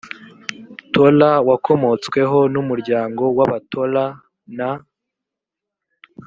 tola wakomotsweho n umuryango w abatola na